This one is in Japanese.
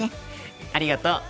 ありがとう。